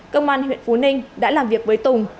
công an huyện phú ninh đã làm việc với tùng